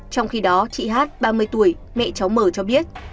trong khi đó chị hát ba mươi tuổi mẹ cháu mờ cho biết